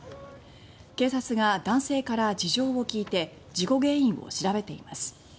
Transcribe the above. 警察が男性から事情を聴いて事故原因を調べています。